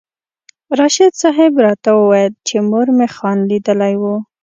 راشد صاحب راته وویل چې مور مې خان لیدلی و.